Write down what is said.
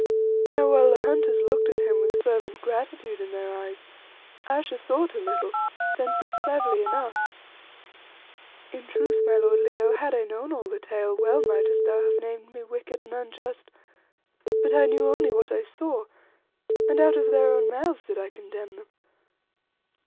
Now, while the hunters looked at him with fervent gratitude in their eyes, Ayesha thought a little, then said cleverly enough "In truth, my lord Leo, had I known all the tale, well mightest thou have named me wicked and unjust; but I knew only what I saw, and out of their own mouths did I condemn them.